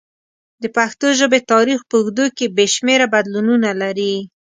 د پښتو ژبې تاریخ په اوږدو کې بې شمېره بدلونونه لري.